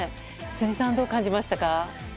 辻さん、どう感じましたか？